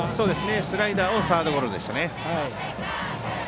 スライダーをサードゴロでした。